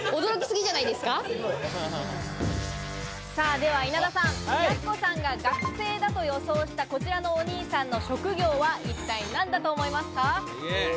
では、稲田さん、やす子さんが学生だと予想したこちらのお兄さんの職業は一体何だと思いますか？